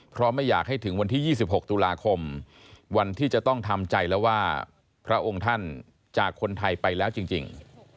เพราะไม่อยากให้ถึงวันที่๒๖ตุลาคมวันที่จะต้องทำใจแล้วว่าพระองค์ท่านจากคนไทยไปแล้วจริง